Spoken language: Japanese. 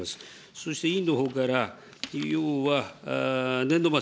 そして委員のほうから、要は年度末